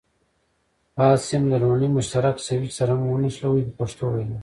فاز سیم د لومړني مشترک سویچ سره هم ونښلوئ په پښتو وینا.